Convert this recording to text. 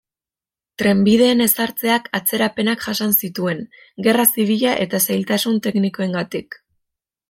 Trenbideen ezartzeak atzerapenak jasan zituen, gerra zibila eta zailtasun teknikoengatik.